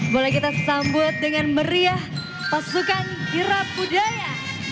boleh kita sambut dengan meriah pasukan kirabudaya